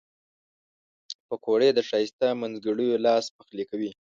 پکورې د ښایسته مینځګړیو لاس پخلي وي